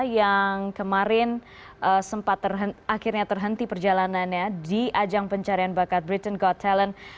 yang kemarin sempat akhirnya terhenti perjalanannya di ajang pencarian bakat britton got talent